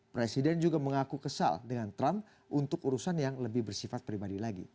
presiden juga mengaku kesal dengan trump untuk urusan yang lebih bersifat pribadi lagi